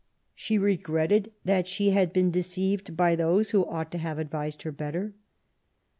She regretted that she 296 QUEEN ELIZABETH, had been deceived by those who ought to have advised her better.